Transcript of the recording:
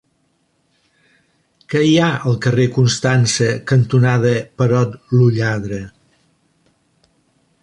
Què hi ha al carrer Constança cantonada Perot lo Lladre?